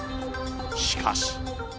しかし。